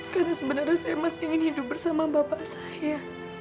karena sebenarnya saya masih ingin hidup bersama bapak saya